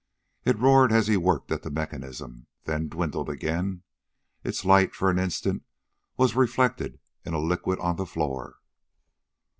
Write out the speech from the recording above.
It roared as he worked at the mechanism, then dwindled again. Its light, for an instant, was reflected in a liquid on the floor.